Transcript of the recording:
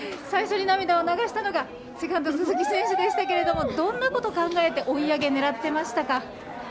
最初に涙を流したのがセカンド、鈴木選手でしたがどんなことを考えて追い上げを狙ってましたか？